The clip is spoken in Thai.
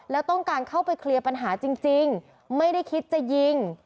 แล้วต้องการเข้าไปเคลียร์ปัญหาจริงไม่ได้คิดจะยิง